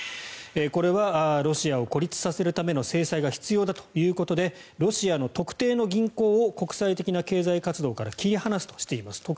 これはロシアを孤立させるための制裁が必要だということでロシアの特定の銀行を国際的な経済活動から切り離すとしています。